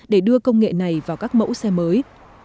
để đưa công nghệ này vào các mẫu xe mới